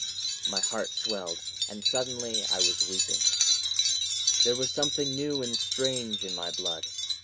... My heart swelled, and suddenly I was weeping. There was something new and strange in my blood.